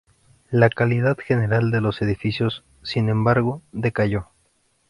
La calidad general de los edificios, sin embargo, decayó.